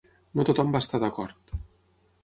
No tothom va estar d'acord.